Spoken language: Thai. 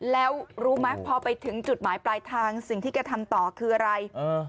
แล้วรู้ไหมพอไปถึงจุดหมายปลายทางสิ่งที่แกทำต่อคืออะไร